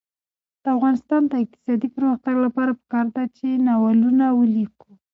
د افغانستان د اقتصادي پرمختګ لپاره پکار ده چې ناولونه ولیکو.